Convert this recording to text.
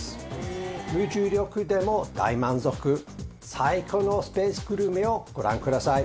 無重力でも大満足最高のスペースグルメをご覧ください。